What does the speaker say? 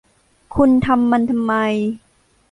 คุณทำมันทำไม